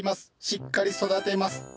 しっかり育てます。